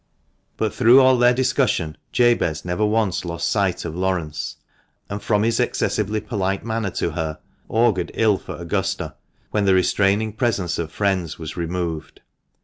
But through all their discussion Jabez never once lost sight of Laurence, and from his excessively polite manner to her augured ill for Augusta when the restraining presence of friends was removed.